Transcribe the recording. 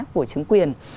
của trứng quyền